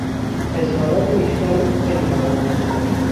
اظهارات نیشدار او خیلیها را رنجانید.